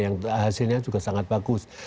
yang hasilnya juga sangat bagus